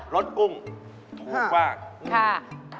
รสกุ้งถูกมาก